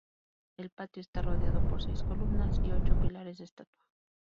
El patio está rodeado por seis columnas y ocho pilares de estatua.